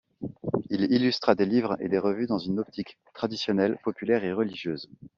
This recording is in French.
Il illustra des livres et des revues dans une optique traditionnelle, populaire et religieuse.